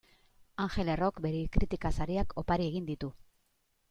Angel Errok bere kritika sariak opari egin ditu.